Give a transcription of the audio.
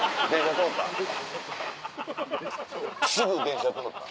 すぐ電車通った。